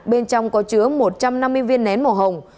bên trong có chứa một trăm năm mươi viên nén màu hồng